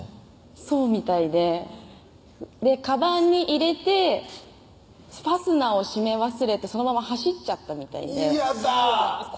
そうみたいでカバンに入れてファスナーを閉め忘れてそのまま走っちゃったみたいで嫌だ！